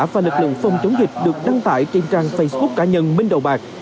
và lực lượng phòng chống dịch được đăng tải trên trang facebook cá nhân minh đầu bạc